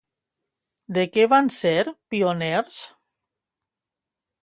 De què van ser pioneres?